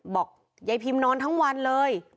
บอกยายพิมนอนทั้งวันเลย